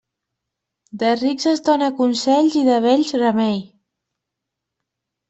De rics es dóna consells i de vells remei.